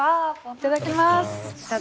いただきます。